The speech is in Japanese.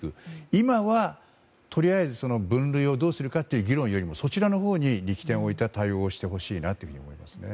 今はとりあえず分類をどうするかという議論よりも、そちらのほうに力点を置いた対応をしてほしいなと思いますね。